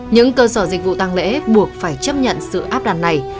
những cơ sở dịch vụ tăng lễ buộc phải chấp nhận sự áp đặt này